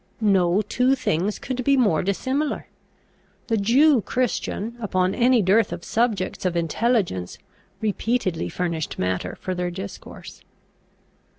No two things could be more dissimilar. The Jew Christian, upon any dearth of subjects of intelligence, repeatedly furnished matter for their discourse.